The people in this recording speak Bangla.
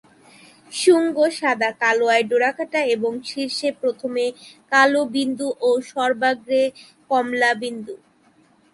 শুঙ্গ সাদা কালোয় ডোরাকাটা এবং শীর্ষে প্রথমে কালো বিন্দু ও সর্বাগ্রে কমলা বিন্দু।